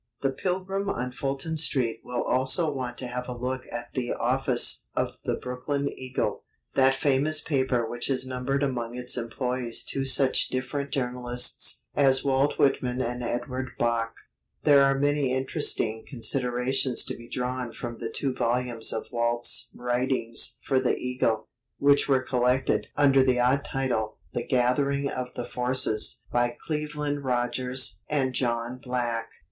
The pilgrim on Fulton Street will also want to have a look at the office of the Brooklyn Eagle, that famous paper which has numbered among its employees two such different journalists as Walt Whitman and Edward Bok. There are many interesting considerations to be drawn from the two volumes of Walt's writings for the Eagle, which were collected (under the odd title "The Gathering of the Forces") by Cleveland Rodgers and John Black.